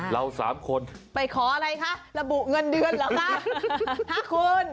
เราสามคนไปขออะไรคะระบุเงินเดือนเหรอคะคุณ